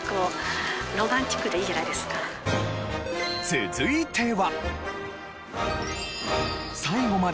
続いては。